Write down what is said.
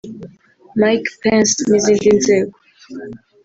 Mike Pence n’izindi nzego